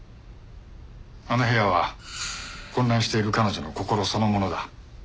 あの部屋は混乱している彼女の心そのものだ。